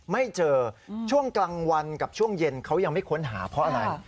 ไม่เจอช่วงกลางวันกับช่วงเย็นเขายังไม่ค้นหาเพราะอะไร